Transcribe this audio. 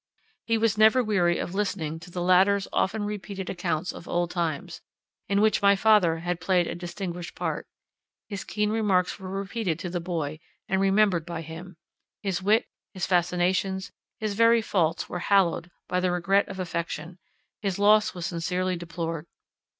He was never weary of listening to the latter's often repeated accounts of old times, in which my father had played a distinguished part; his keen remarks were repeated to the boy, and remembered by him; his wit, his fascinations, his very faults were hallowed by the regret of affection; his loss was sincerely deplored.